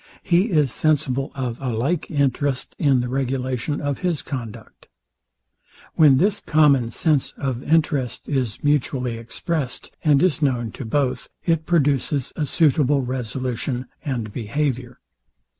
He is sensible of a like interest in the regulation of his conduct. When this common sense of interest is mutually expressed, and is known to both, it produces a suitable resolution and behaviour.